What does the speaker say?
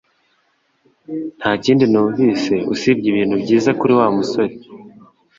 Nta kindi numvise usibye ibintu byiza kuri Wa musore